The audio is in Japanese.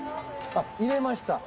入れました？